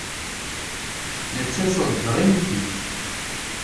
Necesos drinki.